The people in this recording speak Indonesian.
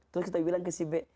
terus kita bilang ke si b